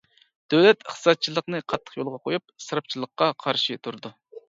دۆلەت ئىقتىسادچىللىقنى قاتتىق يولغا قويۇپ، ئىسراپچىلىققا قارشى تۇرىدۇ.